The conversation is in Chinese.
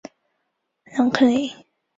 朗科尼。